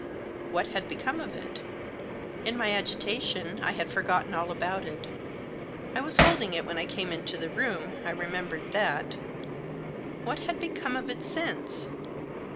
What had become of it ? In my agitation I had for gotten all about it. I was holding it when I came into the room — I remembered that What had become of it since